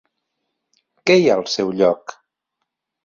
Què hi ha al seu lloc?